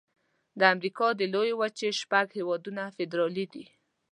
د امریکا د لویې وچې شپږ هيوادونه فدرالي دي.